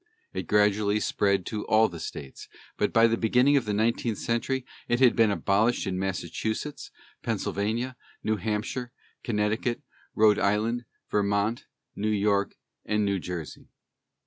It gradually spread to all the states, but by the beginning of the nineteenth century it had been abolished in Massachusetts, Pennsylvania, New Hampshire, Connecticut, Rhode Island, Vermont, New York, and New Jersey.